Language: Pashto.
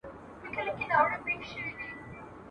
احوال یې کښلی زموږ د ښار دی ..